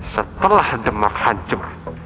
setelah demak hancur